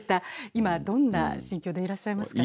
今どんな心境でいらっしゃいますか？